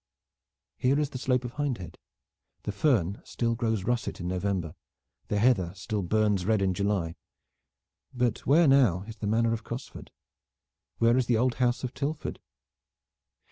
Here is the slope of Hindhead. The fern still glows russet in November, the heather still burns red in July; but where now is the Manor of Cosford? Where is the old house of Tilford?